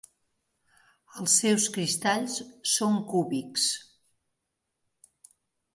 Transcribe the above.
Els seus cristalls són cúbics.